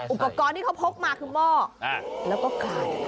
อุปกรณ์ที่เขาพกมาคือหม้อแล้วก็คลาย